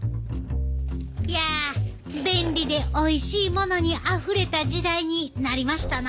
いや便利でおいしいものにあふれた時代になりましたな！